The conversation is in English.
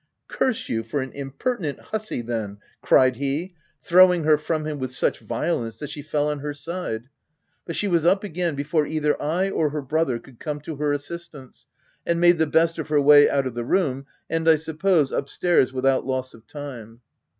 " Curse you for an impertinent huzzy then !" cried he, throwing her from him with such violence that she fell on her side ; but she was up again before either I or her brother could come to her assistance, and made the best of her way out of the room and, I suppose, up stairs, without loss of time.